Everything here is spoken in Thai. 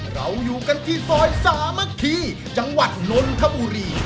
เราอยู่กันที่ซอยสามัคคีจังหวัดนนทบุรี